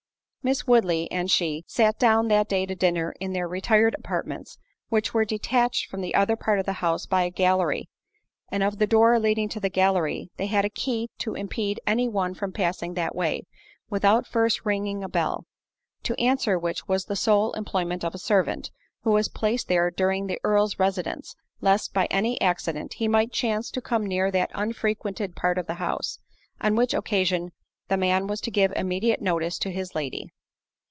Miss Woodley and she, sat down that day to dinner in their retired apartments, which were detached from the other part of the house by a gallery; and of the door leading to the gallery, they had a key to impede any one from passing that way, without first ringing a bell; to answer which, was the sole employment of a servant, who was placed there during the Earl's residence, lest by any accident he might chance to come near that unfrequented part of the house, on which occasion the man was to give immediate notice to his Lady.